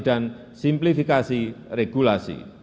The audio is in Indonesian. dan simplifikasi regulasi